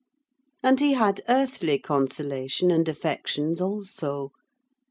And he had earthly consolation and affections also.